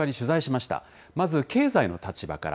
まず経済の立場から。